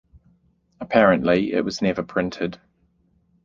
Apparently it was never printed.